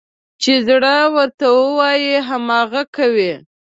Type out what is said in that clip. چې زړه ورته وايي، هماغه کوي.